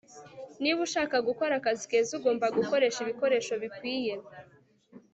niba ushaka gukora akazi keza, ugomba gukoresha ibikoresho bikwiye